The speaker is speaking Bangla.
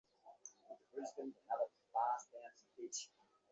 আমি তোমাদের সেটাই করতে শেখাবো।